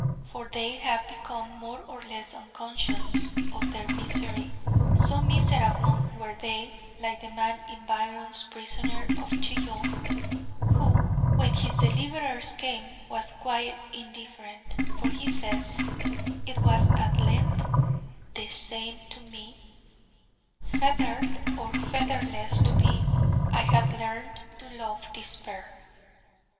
For they had become more or less unconscious of their misery, so miserable were they: like the man in Byron's "Prisoner of Chillon," who, when his deliverers came, was quite indifferent, for he says: "It was at length the same to me Fettered or fetterless to be: I had learned to love Despair."'